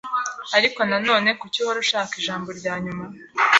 Ariko nanone kuki uhora ushaka ijambo ryanyuma.